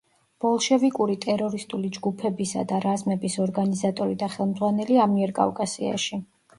ბოლშევიკური ტერორისტული ჯგუფებისა და რაზმების ორგანიზატორი და ხელმძღვანელი ამიერკავკასიაში.